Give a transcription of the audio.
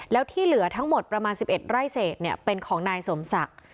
แล้วที่เหลือทั้งหมดประมาณ๑๑ไร่เศษเป็นของนายสมศักดิ์